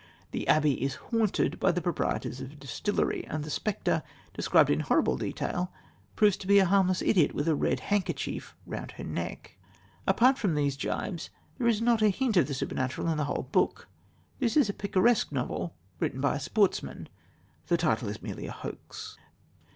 The abbey is "haunted" by the proprietors of a distillery; and the spectre, described in horrible detail, proves to be a harmless idiot, with a red handkerchief round her neck. Apart from these gibes, there is not a hint of the supernatural in the whole book. It is a picaresque novel, written by a sportsman. The title is merely a hoax.